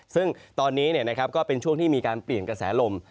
ซึ่งตอนนี้ก็เป็นช่วงที่มีการเปลี่ยนกระแสลม